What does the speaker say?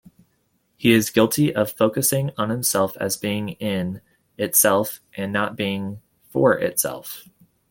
He is guilty of focusing on himself as being-in-itself and not being-for-itself.